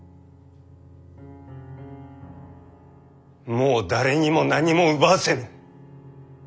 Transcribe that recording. もう誰にも何も奪わせぬ！